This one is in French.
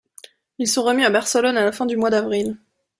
Ils sont remis à Barcelone à la fin du mois d'avril.